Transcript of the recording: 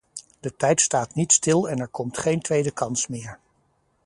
De tijd staat niet stil en er komt geen tweede kans meer.